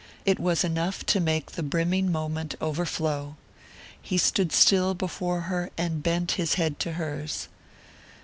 It was enough to make the brimming moment overflow. He stood still before her and bent his head to hers.